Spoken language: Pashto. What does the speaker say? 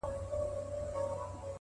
• بې غاښو خوله به یې وازه وه نیولې,